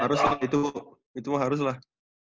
harus lah itu itu harus lah